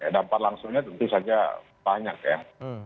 dampak langsungnya tentu saja banyak ya